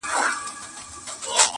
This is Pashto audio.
چی دا نن دي یم ژغورلی له انسانه -